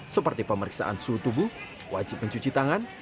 seperti pemeriksaan suhu tubuh wajib mencuci tangan